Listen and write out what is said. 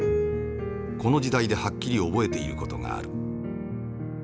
この時代ではっきり覚えている事がある。